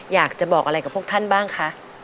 อยากจะบอกอะไรกับพวกท่านบ้างคะ